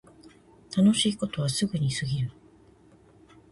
楽しいことはすぐに過ぎる